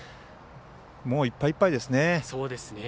もういっぱいいっぱいですね。